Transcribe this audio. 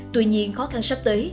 tuy nhiên khó khăn sắp tới